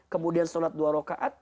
kemudian sholat dua rokaat